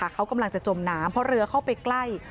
เขากำลังจะจมน้ำเพราะเรือเข้าไปใกล้